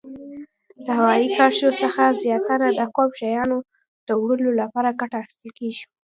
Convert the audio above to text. له هوایي کرښو څخه زیاتره د کوم شیانو د وړلو لپاره ګټه اخیستل کیږي؟